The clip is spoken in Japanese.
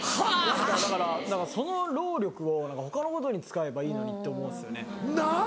何かだからその労力を他のことに使えばいいのにって思うんですよね。なぁ！